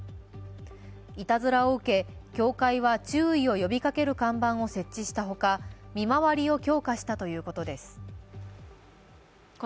いたずらを受け、協会は注意を呼びかける看板を設置したほか、見回りを強化したということです。